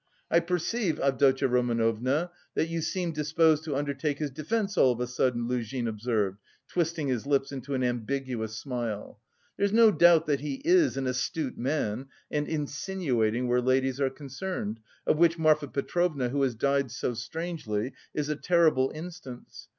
"I perceive, Avdotya Romanovna, that you seem disposed to undertake his defence all of a sudden," Luzhin observed, twisting his lips into an ambiguous smile, "there's no doubt that he is an astute man, and insinuating where ladies are concerned, of which Marfa Petrovna, who has died so strangely, is a terrible instance.